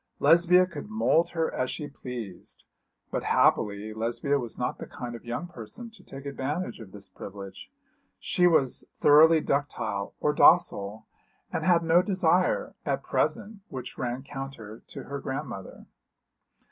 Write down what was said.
Lesbia could mould her as she pleased; but happily Lesbia was not the kind of young person to take advantage of this privilege; she was thoroughly ductile or docile, and had no desire, at present, which ran counter to her grandmother.